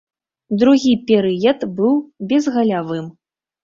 Другі перыяд быў безгалявым.